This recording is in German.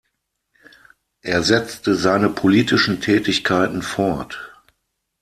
Er setzte seine politischen Tätigkeiten fort.